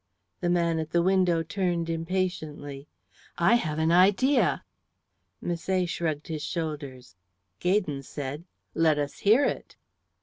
The man at the window turned impatiently. "I have an idea." Misset shrugged his shoulders. Gaydon said, "Let us hear it."